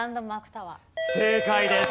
正解です。